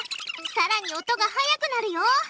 さらに音が速くなるよ！